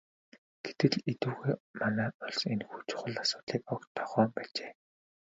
Гэтэл эдүгээ манай улс энэхүү чухал асуудлыг огт тоохоо байжээ.